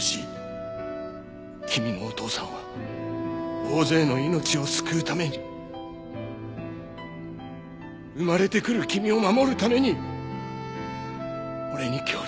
君のお父さんは大勢の命を救うために生まれてくる君を守るために俺に協力して命を落とした。